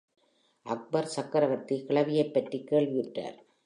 அக்பர் சக்கரவர்த்தி கிழவியைப்பற்றி கேள்வியுற்றார்.